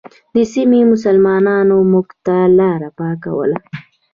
د سیمې مسلمانانو موږ ته لاره پاکوله.